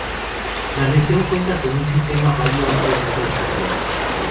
La región cuenta con un sistema viario ampliamente desarrollado.